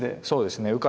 そうですね。